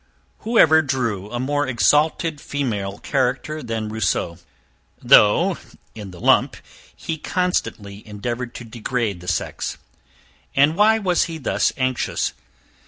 Whoever drew a more exalted female character than Rousseau? though in the lump he constantly endeavoured to degrade the sex. And why was he thus anxious?